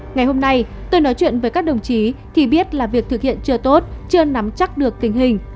ngày hôm nay tôi nói chuyện với các đồng chí thì biết là việc thực hiện chưa tốt chưa nắm chắc được tình hình